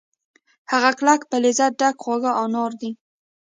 هغه کلک په لذت ډک خواږه انار دي